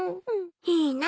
いいな。